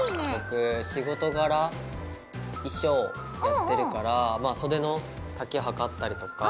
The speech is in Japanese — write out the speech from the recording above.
僕仕事柄衣装やってるからまあ袖の丈測ったりとか。